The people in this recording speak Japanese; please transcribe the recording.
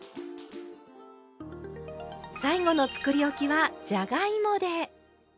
最後のつくりおきはじゃがいもで。